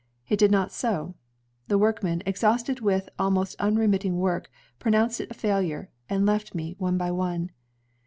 It did not sew. The workmen, exhausted with almost unremitting work, pronounced it a failure, and left me, one by one.